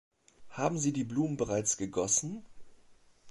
Haben Sie die Blumen bereits gegossen?